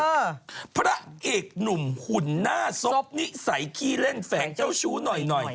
พระเอกหนุ่มหุ่นหน้าซบนิสัยขี้เล่นแฝงเจ้าชู้หน่อยหน่อย